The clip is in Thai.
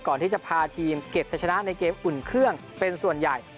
ก่อนที่จะพาทีมเก็บใช้ชนะในเกมอุ่นเครื่องเป็นส่วนใหญ่